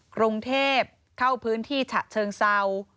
กรุงเทพเข้าพื้นที่ฉะเชิงเศร้า